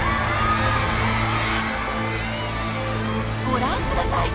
ご覧ください！